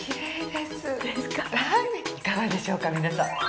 いかがでしょうか皆さん。